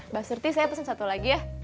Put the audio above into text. mbak surti saya pesan satu lagi ya